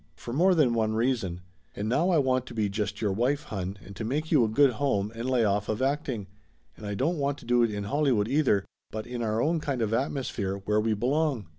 For more than one reason. And now I want to be just your wife, hon, and to make you a good home, and lay off of acting. And I don't want to do it in Hollywood, either, but in our own kind of atmosphere where we belong."